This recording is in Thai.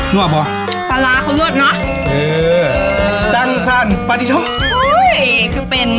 นั่วเหรอปลาร้าเขาเลือดน่ะเออจันทรันประดิษฐ์คือเป็น